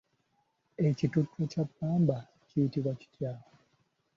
Ekituttwa kya ppamba kiyitibwa kitya?